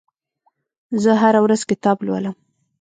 زه هره ورځ کتاب لولم.